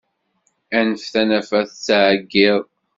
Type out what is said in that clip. Anef tanafa tettɛeggiḍ.